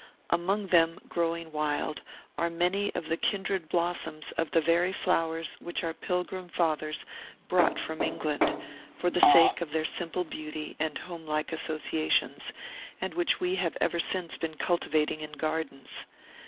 Among them, growing wild, are many of the kindred blossoms of the very flowers which our pilgrim fathers brought from England, for the sake of their simple beauty and homelike associations, and which we have ever since been cultivating in gardens.